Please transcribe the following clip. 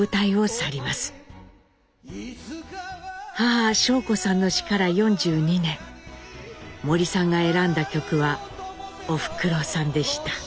母尚子さんの死から４２年森さんが選んだ曲は「おふくろさん」でした。